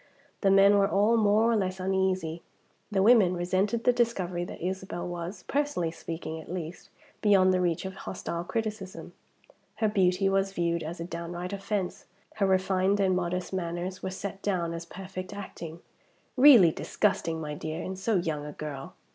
The men were all more or less uneasy. The women resented the discovery that Isabel was personally speaking, at least beyond the reach of hostile criticism. Her beauty was viewed as a downright offense; her refined and modest manners were set down as perfect acting; "really disgusting, my dear, in so young a girl."